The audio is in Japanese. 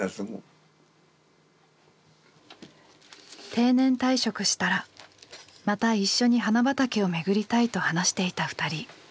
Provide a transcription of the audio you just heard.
定年退職したらまた一緒に花畑をめぐりたいと話していた２人。